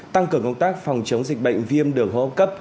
tăng cường công tác của dịch bệnh viêm đường hô hấp cấp